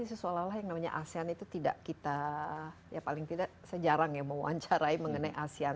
seolah olah yang namanya asean itu tidak kita ya paling tidak sejarang ya mewawancarai mengenai asean